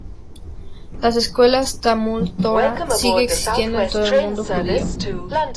Las escuelas "Talmud Torá" siguen existiendo en todo el mundo judío.